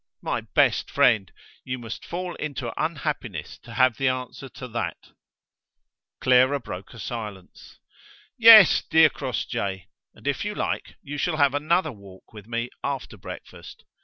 my best friend, you must fall into unhappiness to have the answer to that." Clara broke a silence. "Yes, dear Crossjay, and if you like you shall have another walk with me after breakfast.